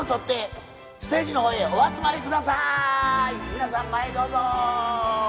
皆さん前へどうぞ！